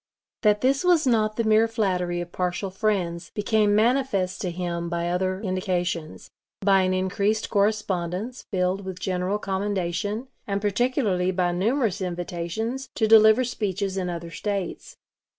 That this was not the mere flattery of partial friends became manifest to him by other indications; by an increased correspondence filled with general commendation, and particularly by numerous invitations to deliver speeches in other States.